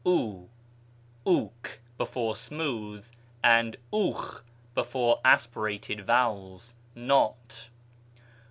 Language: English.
οὐ (οὐκ before smooth and οὐχ before aspirated vowels), not.